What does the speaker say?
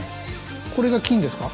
これが金ですか？